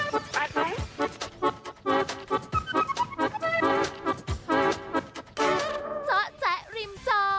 สวัสดีครับทุกคน